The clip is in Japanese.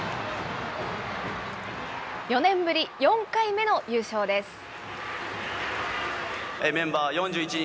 ４年ぶり４回目の優勝です。